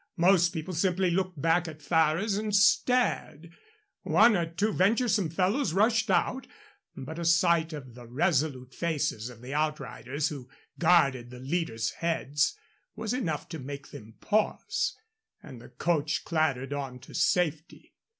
Most people simply looked back at Ferrers and stared. One or two venturesome fellows rushed out, but a sight of the resolute faces of the outriders, who guarded the leaders' heads, was enough to make them pause, and the coach clattered on to safety.